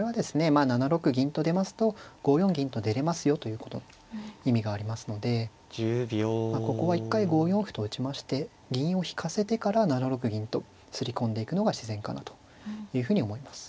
まあ７六銀と出ますと５四銀と出れますよという意味がありますのでここは一回５四歩と打ちまして銀を引かせてから７六銀とすり込んでいくのが自然かなというふうに思います。